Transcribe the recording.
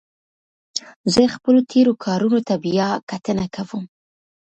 زه خپلو تېرو کارونو ته بیا کتنه کوم.